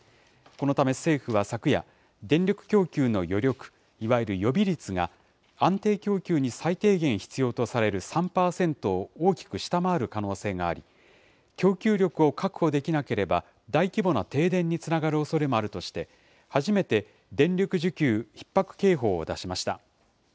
このため政府は昨夜、電力供給の余力、いわゆる予備率が安定供給に最低限必要とされる３％を大きく下回る可能性があり、供給力を確保できなければ大規模な停電につながるおそれもあるとして、初めて電力需給ひっ迫警報を出しました。